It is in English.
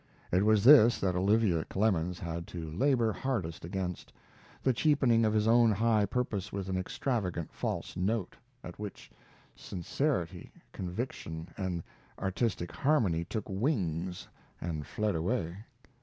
It was this that Olivia Clemens had to labor hardest against: the cheapening of his own high purpose with an extravagant false note, at which sincerity, conviction, and artistic harmony took wings and fled away.